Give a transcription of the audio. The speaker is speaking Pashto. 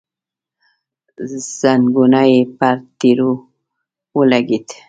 ځنګنونه یې پر تيږو ولګېدل.